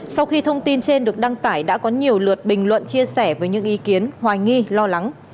sau khi thông tin trên được đăng tải đã có nhiều lượt bình luận chia sẻ với những ý kiến hoài nghi lo lắng